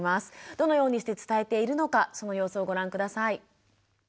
どのようにして伝えているのかその様子をご覧下さい。